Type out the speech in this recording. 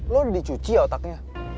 lo udah dicuci otaknya